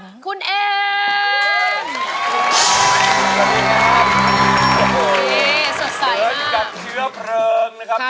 เธอกับเชื้อเฟิร์งนะครับ